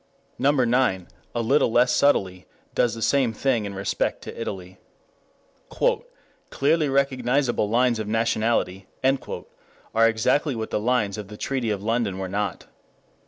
Number nine, a little less subtly, does the same thing in respect to Italy. "Clearly recognizable lines of nationality" are exactly what the lines of the Treaty of London were not.